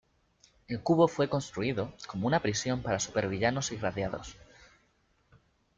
El Cubo fue construido como una prisión para supervillanos irradiados.